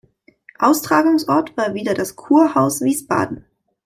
Austragungsort war wieder das Kurhaus Wiesbaden.